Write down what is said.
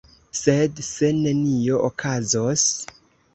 Sed se nenio okazos?